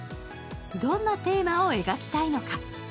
どんなテーマを描きたいのか。